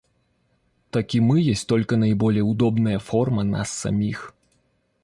Так и мы есть только наиболее удобная форма нас самих.